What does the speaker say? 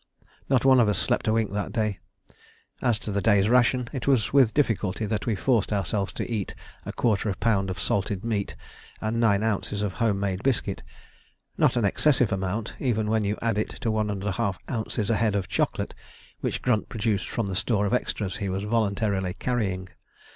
Not one of us slept a wink that day. As to the day's ration, it was with difficulty that we forced ourselves to eat a quarter of a pound of salted meat and nine ounces of home made biscuit not an excessive amount, even when you add to it one and a half ounces a head of chocolate, which Grunt produced from the store of extras he was voluntarily carrying.